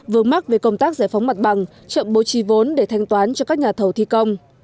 vướng mắt về công tác giải phóng mặt bằng chậm bố trì vốn để thanh toán cho các nhà thầu thi công